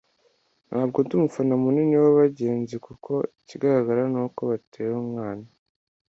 Ntabwo ndi umufana munini wabagenzi kuko ikigaragara nuko batera umwana